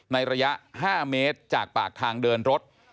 ระยะ๕เมตรจากปากทางเดินรถ